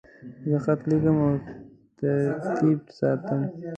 زه خط لیکم او ترتیب ساتم.